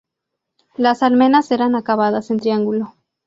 Las almenas eran acabadas en triángulo.